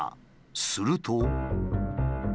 すると。